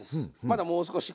まだもう少し。